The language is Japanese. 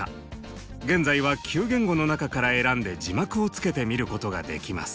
現在は９言語の中から選んで字幕をつけて見ることができます。